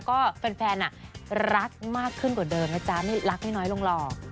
ก็แฟนรักมากขึ้นกว่าเดิมนะจ๊ะไม่รักไม่น้อยลงหรอก